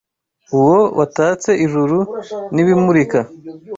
Uwo watatse ijuru n’ibimurika